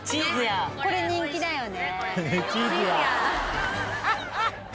これ人気だよね。